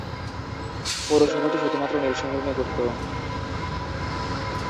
পৌরসভাটি শুধুমাত্র নিল শহর নিয়ে গঠিত।